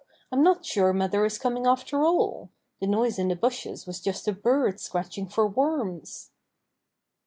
I'm not sure mother is coming after all. The noise in the bushes was just a bird scratching for worms."